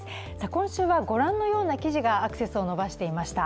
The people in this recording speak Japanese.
今週はご覧のような記事がアクセスを伸ばしていました。